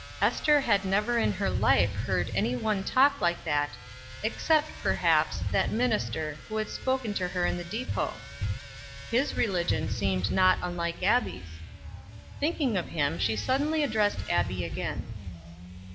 Ester had never in her life heard any one talk like that, except, perhaps, that minister who had spoken to her in the depot. His religion seemed not unlike Abbie's. Thinking of him, she suddenly addressed Abbie again.